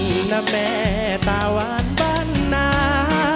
หน้าแม่ตาวานบรรณา